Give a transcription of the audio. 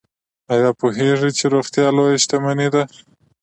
ایا پوهیږئ چې روغتیا لویه شتمني ده؟